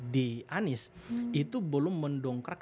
di anies itu belum mendongkrak